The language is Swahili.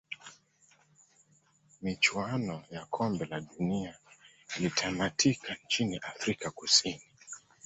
michuano ya kombe la dunia ilitamatika nchini afrika kusini